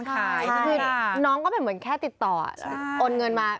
คือน้องก็เป็นเหมือนกับแค่ติดต่ออ่ะ